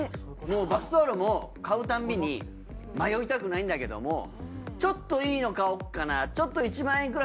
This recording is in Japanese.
もうバスタオルも買うたんびに迷いたくないんだけどもちょっといいの買おっかなちょっと１万円